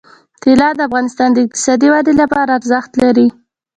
طلا د افغانستان د اقتصادي ودې لپاره ارزښت لري.